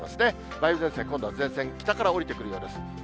梅雨前線、今度は前線、北から降りてくるようです。